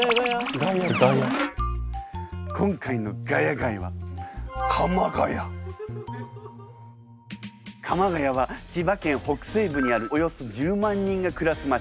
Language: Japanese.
今回の「ヶ谷街」は鎌ケ谷は千葉県北西部にあるおよそ１０万人が暮らす街。